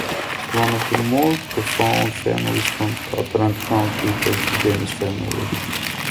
One of the more profound families from Carteret County was the Dennis family.